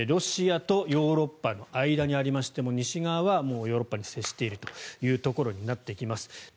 ロシアとヨーロッパの間にありまして西側はヨーロッパに接しているということになってきます。